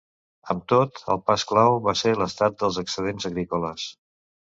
Amb tot, el pas clau va ser l'estat dels excedents agrícoles.